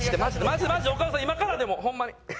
マジでマジで岡田さん今からでもホンマに。